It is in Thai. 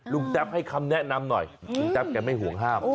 แป๊บให้คำแนะนำหน่อยลุงแป๊บแกไม่ห่วงห้าม